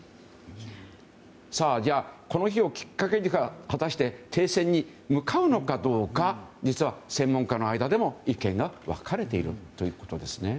この日をきっかけに果たして停戦に向かうのかどうか実は専門家の間でも意見が分かれているんですね。